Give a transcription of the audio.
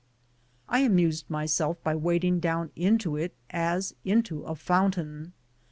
I amused myself by wading down into it as into a fountain.